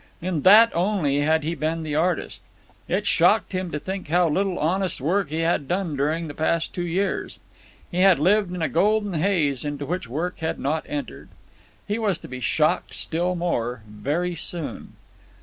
In that only had he been the artist. It shocked him to think how little honest work he had done during the past two years. He had lived in a golden haze into which work had not entered. He was to be shocked still more very soon.